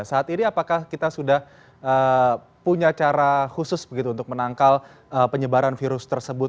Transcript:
saat ini apakah kita sudah punya cara khusus begitu untuk menangkal penyebaran virus tersebut